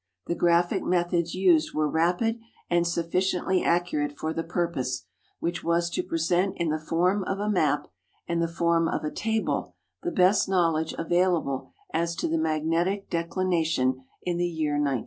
The graphic methods used were rapid and sufficiently accurate for the purpose, which was to present in the form of a map and the form of a table the best knowledge available as to the magnetic dedi nation in the year 1900.